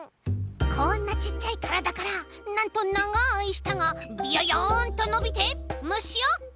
こんなちっちゃいからだからなんとながいしたがビヨヨンとのびてむしをキャッチ！